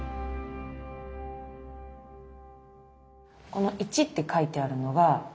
この「一」って書いてあるのは。